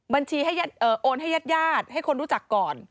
บัญชีโอนให้ญาติยาดให้คนรู้จักก่อน